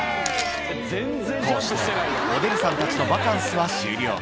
こうしておデブさんたちのバカンスは終了。